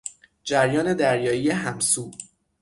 جریان دریایی همسو